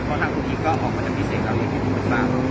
เพราะถ้าคุณอีกก็ที่นี่ออกมาก็จะมีประสบายมาก